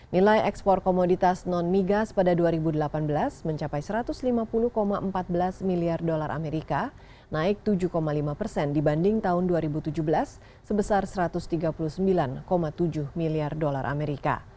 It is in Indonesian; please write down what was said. nilai ekspor komoditas non migas pada dua ribu delapan belas mencapai satu ratus lima puluh empat belas miliar dolar amerika naik tujuh lima persen dibanding tahun dua ribu tujuh belas sebesar satu ratus tiga puluh sembilan tujuh miliar dolar amerika